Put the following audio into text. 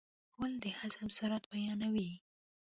غول د هضم سرعت بیانوي.